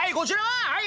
はい！